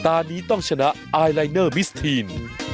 ตอนนี้ต้องชนะไอลายเนอร์มิสทีน